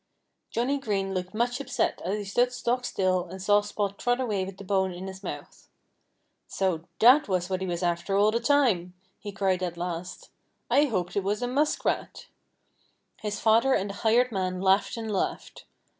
Johnnie Green looked much upset as he stood stock still and saw Spot trot away with the bone in his mouth. "So that was what he was after all the time!" he cried at last. "I hoped it was a muskrat." His father and the hired man laughed and laughed.